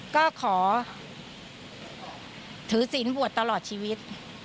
ก็ขอถือศีลบวชตลอดชีวิต